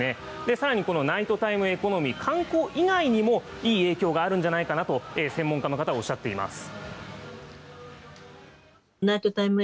さらにこのナイトタイムエコノミー、観光以外にもいい影響があるんじゃないかと専門家の方はおっしゃっています。